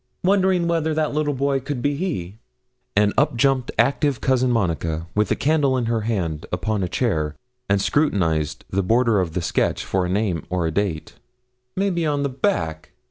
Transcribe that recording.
'Wondering whether that little boy could be he.' And up jumped active Cousin Monica, with a candle in her hand, upon a chair, and scrutinised the border of the sketch for a name or a date. 'Maybe on the back?'